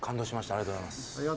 ありがとうございます。